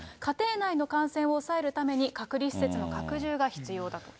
家庭内の感染を抑えるために隔離施設の拡充が必要だ。